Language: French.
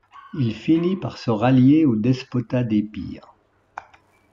Il finit par se rallier au despotat d'Épire.